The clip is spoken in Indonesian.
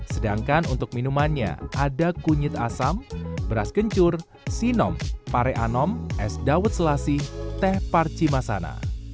sedangkan untuk minumannya ada kunyit asam beras kencur sinom pareanom es dawet selasi teh parcimasana